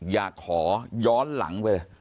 อย่าขอย้อนหลังไป